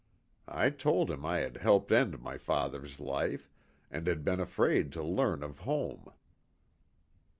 "I told him I had helped end my father's life, and had been afraid to learn of home.